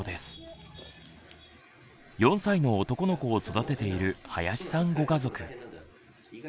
４歳の男の子を育てている林さんご家族。